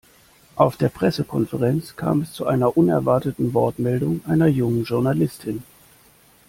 Auf der Pressekonferenz kam es zu einer unerwarteten Wortmeldung einer jungen Journalistin.